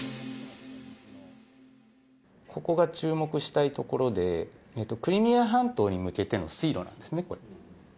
ここが注目したい所で、クリミア半島に向けての水路なんですね、これ。